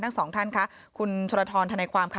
ทั้งสองท่านค่ะคุณชรทรธนายความค่ะ